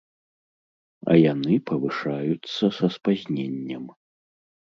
А яны павышаюцца са спазненнем.